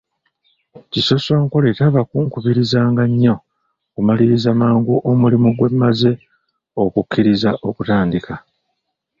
Kisosonkole taba kunkubirizanga nnyo kumaliriza mangu omulimu gwe mmaze okukkiriza okutandika